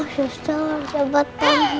suster coba tanya